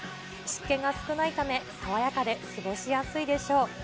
湿気が少ないため、爽やかで過ごしやすいでしょう。